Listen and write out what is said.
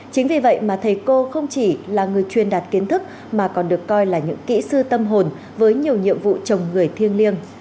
chính vì vậy mà thầy cô không chỉ là người truyền đạt kiến thức mà còn được coi là những kỹ sư tâm hồn với nhiều nhiệm vụ chồng người thiêng liêng